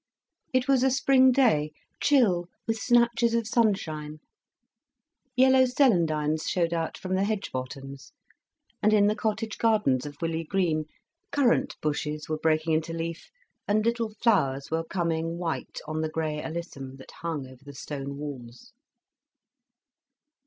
It was a spring day, chill, with snatches of sunshine. Yellow celandines showed out from the hedge bottoms, and in the cottage gardens of Willey Green, currant bushes were breaking into leaf, and little flowers were coming white on the grey alyssum that hung over the stone walls.